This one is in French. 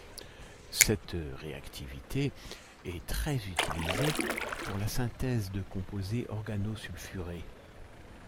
Cette réactivité est très utilisée pour la synthèse de composés organosulfurés.